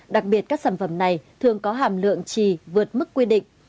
đặc biệt các sản phẩm này thường có hàm lượng trì vượt mức quy định